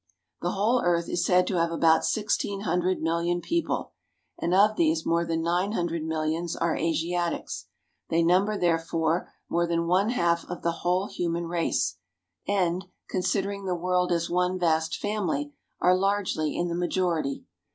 The whole earth is said to have about sixteen hundred million people, and of these more than nine hundred mil lions are Asiatics. They number, therefore, more than one half of the whole human race, and, considering the world as one vast family, are largely in the majority.